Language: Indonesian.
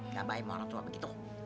gak baik sama orang tua begitu